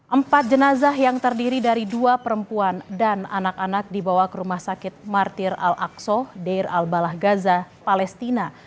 empat jenazah yang terdiri dari dua perempuan dan anak anak dibawa ke rumah sakit martir al aqso dair al balah gaza palestina